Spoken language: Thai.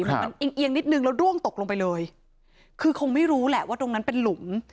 มันเอียงนิดนึงแล้วร่วงตกลงไปเลยคือคงไม่รู้แหละว่าตรงนั้นเป็นหลุม